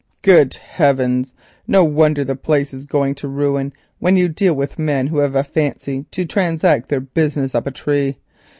"Good heavens! no wonder the place is going to ruin, when you deal with men who have a fancy to transact their business up a tree.